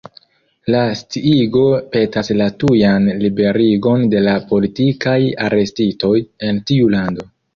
La sciigo petas la tujan liberigon de la «politikaj arestitoj» en tiu lando.